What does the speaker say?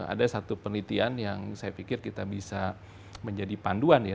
ada satu penelitian yang saya pikir kita bisa menjadi panduan ya